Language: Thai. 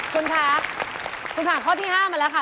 คุณคะคุณผ่านข้อที่๕มาแล้วค่ะ